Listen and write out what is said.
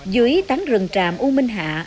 dưới tán rừng tràm u minh hạ